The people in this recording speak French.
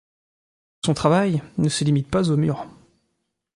Son travail ne se limite pas aux murs.